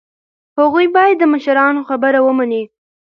هغوی باید د مشرانو خبره ومني.